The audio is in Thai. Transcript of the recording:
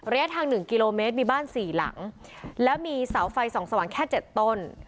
ทางหนึ่งกิโลเมตรมีบ้านสี่หลังแล้วมีเสาไฟส่องสว่างแค่เจ็ดต้น